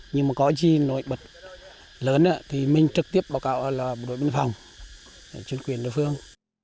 nhưng mà có gì nổi bật lớn thì mình trực tiếp báo cáo là bộ đội biên phòng chính quyền địa phương